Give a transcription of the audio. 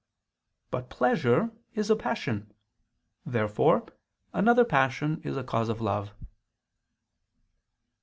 But pleasure is a passion. Therefore another passion is a cause of love.